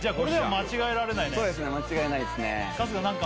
間違えないですね